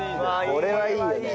これはいいよね！